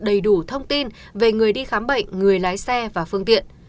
đầy đủ thông tin về người đi khám bệnh người lái xe và phương tiện